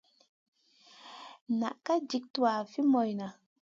Na ka jik tuwaʼa fi moyna.